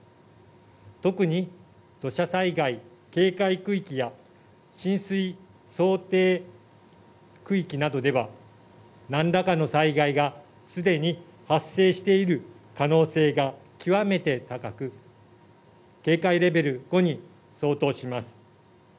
特に土砂災害警戒区域や、浸水想定区域などでは、なんらかの災害がすでに発生している可能性が極めて高く、警戒レベル５に相当します。